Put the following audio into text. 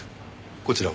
こちらは？